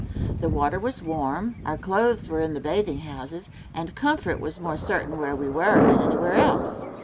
The water was warm, our clothes were in the bathing houses, and comfort was more certain where we were than anywhere else.